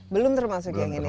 belum termasuk yang ini